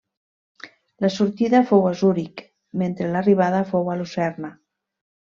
La sortida fou a Zuric, mentre l'arribada fou a Lucerna.